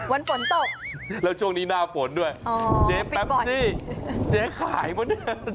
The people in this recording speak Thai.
วันฝนตกแล้วช่วงนี้หน้าฝนด้วยเจ๊แป๊บซี่เจ๊ขายเหมือนเดิม